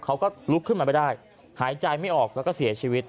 เขาก็ลุกขึ้นมาไม่ได้หายใจไม่ออกแล้วก็เสียชีวิต